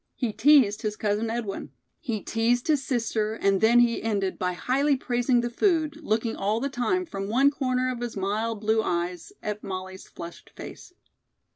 He teased his Cousin Edwin. He teased his sister, and then he ended by highly praising the food, looking all the time from one corner of his mild blue eyes at Molly's flushed face.